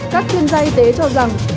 các chuyên gia y tế cho rằng